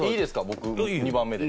僕２番目で。